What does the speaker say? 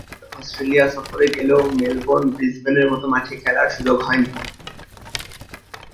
দুবার অস্ট্রেলিয়া সফরে গেলেও মেলবোর্ন, ব্রিসবেনের মতো মাঠে খেলার সুযোগ হয়নি।